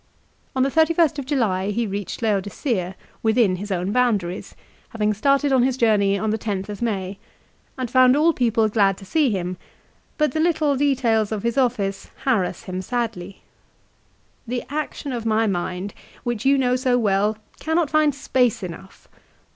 1 On 31st July he reached Laodicea, within his own bound aries, having started on his journey on 10th May, and found all people glad to see him ; but the little details of his office harass him sadly. " The action of my mind which you know so well cannot find space enough.